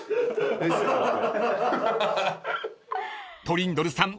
［トリンドルさん